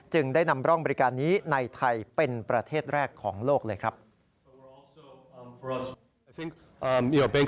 ได้นำร่องบริการนี้ในไทยเป็นประเทศแรกของโลกเลยครับ